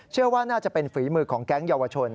เชื่อว่าน่าจะเป็นฝีมือของแก๊งเยาวชน